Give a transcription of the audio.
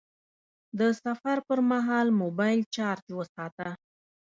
د سفر پر مهال موبایل چارج وساته..